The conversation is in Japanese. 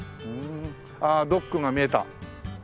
ああドックが見えた。